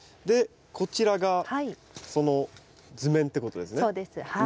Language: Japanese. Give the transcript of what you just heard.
でこちらがその図面ってことですね。